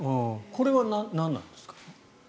これは何なんですか？